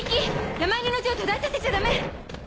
山犬の血を途絶えさせちゃダメ！